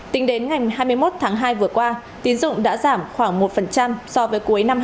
tính đến ngày hai mươi một tháng hai vừa qua tín dụng đã giảm khoảng một so với cuối năm hai nghìn hai mươi